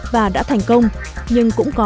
và đã thành công nhưng cũng có